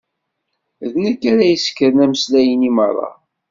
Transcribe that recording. D nekk ara yessekren ameslay-nni merra.